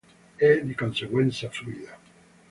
È di conseguenza fluida.